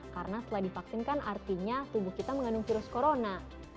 karena setelah divaksinkan artinya tubuh kita mengandung virus corona